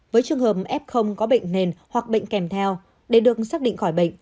với trường hợp f có bệnh nền hoặc bệnh kèm theo để được xác định khỏi bệnh